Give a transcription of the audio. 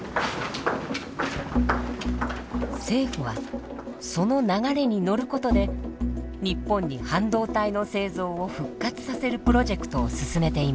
政府はその流れに乗ることで日本に半導体の製造を復活させるプロジェクトを進めています。